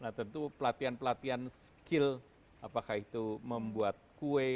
nah tentu pelatihan pelatihan skill apakah itu membuat kue